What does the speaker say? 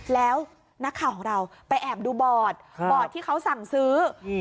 แล้วนักข่าวของเราไปแอบดูบอร์ดบอร์ดที่เขาสั่งซื้อ